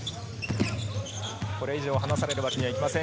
これ以上、離されるわけにはいきません。